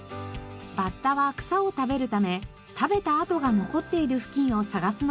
バッタは草を食べるため食べた跡が残っている付近を探すのがポイント。